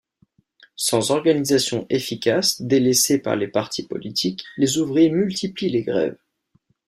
Sans organisation efficace, délaissés par les partis politiques, les ouvriers multiplient les grèves.